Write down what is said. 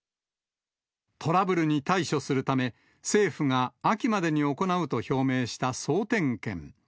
トラブルに対処するため、政府が秋までに行うと表明した総点検。